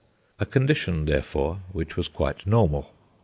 A condition therefore which was quite normal.